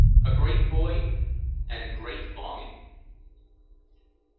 A GREAT VOID AND A GREAT LONGING.